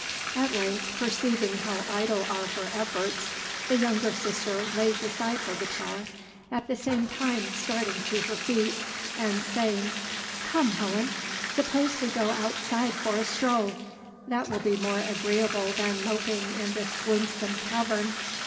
At length perceiving how idle are her efforts, the younger sister lays aside her guitar, at the same time starting to her feet, and saying: "Come, Helen! suppose we go outside for a stroll? That will be more agreeable than moping in this gloomsome cavern.